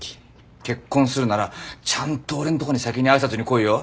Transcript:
結婚するならちゃんと俺んとこに先に挨拶に来いよ。